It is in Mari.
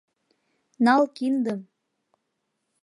Нал киндым!